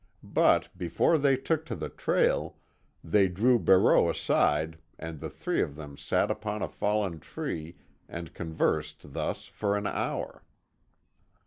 But before they took to the trail they drew Barreau aside and the three of them sat upon a fallen tree and conversed thus for an hour.